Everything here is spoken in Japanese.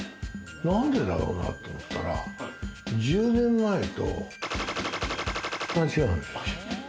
なんでだろうなと思ったら、１０年前とが違うのよ。